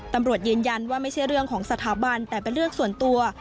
ตำรวจยืนยันว่าไม่ใช่เรื่องของสถาบันแต่เป็นเรื่องส่วนตัว